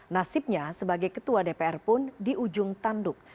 nasibnya sebagai ketua dpr pun di ujung tanduk